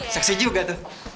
sexy juga tuh